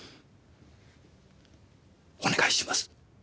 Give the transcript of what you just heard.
お願いします。